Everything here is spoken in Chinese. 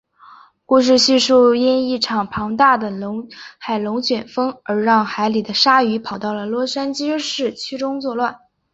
故事叙述因一场庞大的海龙卷风而让海里的鲨鱼跑到了洛杉矶市区中作乱。